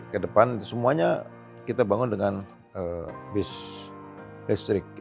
ke depan semuanya kita bangun dengan bis listrik